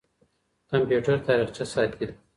کمپيوټر تاريخچه ساتي.